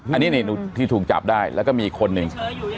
อันนี้ที่ถูกจับได้แล้วก็มีคนหนึ่ง